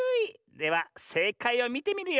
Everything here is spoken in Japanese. ではせいかいをみてみるよ。